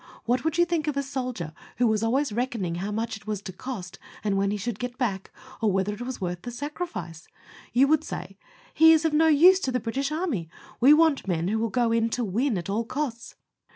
What would you think of a soldier who was always reckoning how much it was to cost, and when he should get back, or whether it was worth the sacrifice? You would say, "He is of no use to the British Army. We want men who will go in to win at all costs."